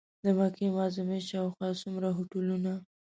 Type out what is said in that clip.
د مکې معظمې شاوخوا څومره هوټلونه.